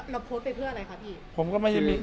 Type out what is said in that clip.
แล้วโพสต์ไปเพื่ออะไรคะพี่